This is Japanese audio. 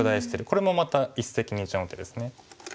これもまた一石二鳥の手ですね。